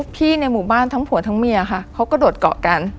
ในหมู่บ้านทั้งผัวทั้งเมียค่ะเขาก็โดดเกาะกัน